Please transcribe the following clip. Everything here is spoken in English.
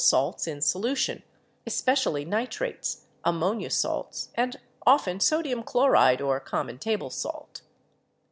salts in solution, especially nitrates, ammonia salts and often sodium chloride or common table salt.